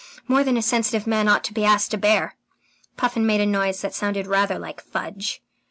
More than a sensitive man ought to be asked to bear." Puffin made a noise that sounded rather like "Fudge!"